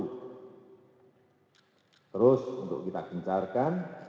terus untuk kita gencarkan